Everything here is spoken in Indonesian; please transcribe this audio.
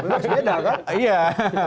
terus beda kan